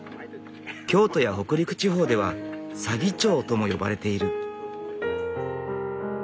京都や北陸地方では左義長とも呼ばれている。